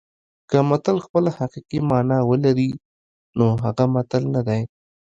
که متل خپله حقیقي مانا ولري نو هغه متل نه دی